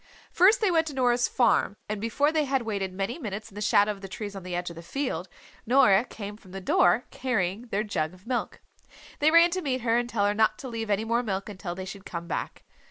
First they went to Nora's farm and before they had waited many minutes in the shadow of the trees on the edge of the field Nora came from the door carrying their jug of milk. They ran to meet her and tell her not to leave any more milk until they should come back.